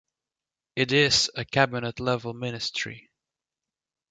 It is a cabinet-level ministry.